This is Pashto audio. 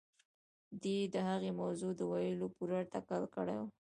دې د هغې موضوع د ويلو پوره تکل کړی و.